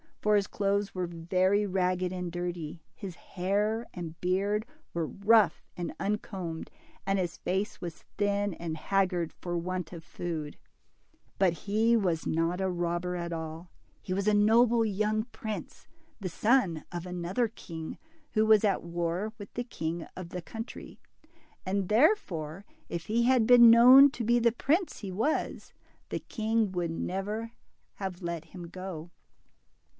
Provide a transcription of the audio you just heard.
For his clothes were very ragged and dirty, his hair and beard were rough and uncombed, and his face was thin and haggard for want of food. 56 DIMPLE. But he was not a robber at all ; he was a noble young prince, the son of another king, who was at war with the king of the country, and therefore if he had been known to be the prince he was, the ting would never have let him go.